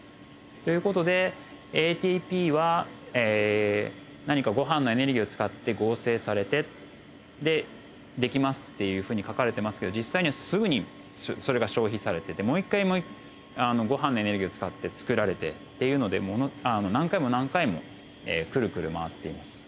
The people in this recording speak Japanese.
という事でＡＴＰは何かごはんのエネルギーを使って合成されて出来ますっていうふうに書かれてますけど実際にはすぐにそれが消費されててもう一回ごはんのエネルギーを使ってつくられてっていうので何回も何回もクルクル回っています。